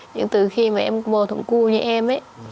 nhưng từ khi mà em bầu thống cu như em ấy